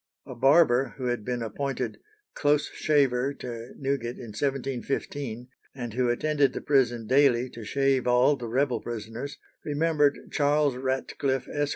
A barber who had been appointed "close shaver" to Newgate in 1715, and who attended the prison daily to shave all the rebel prisoners, remembered Charles Ratcliffe, Esq.